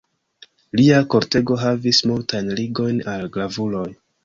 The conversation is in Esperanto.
Lia kortego havis multajn ligojn al gravuloj.